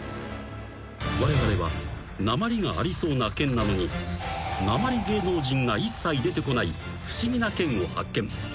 ［われわれはなまりがありそうな県なのになまり芸能人が一切出てこない不思議な県を発見］